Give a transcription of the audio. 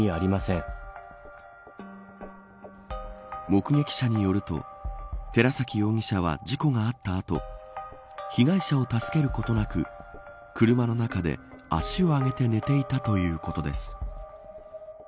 目撃者によると寺崎容疑者は事故があった後被害者を助けることなく車の中で足を上げて寝ていたということです。